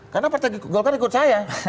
karena partai golkar ikut saya